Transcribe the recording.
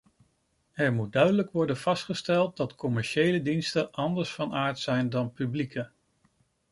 Er moet duidelijk worden vastgesteld dat commerciële diensten anders van aard zijn dan publieke.